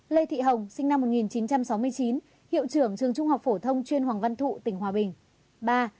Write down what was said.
ba lê thị hồng sinh năm một nghìn chín trăm sáu mươi chín hiệu trưởng trường trung học phổ thông chuyên hoàng văn thụ tỉnh hòa bình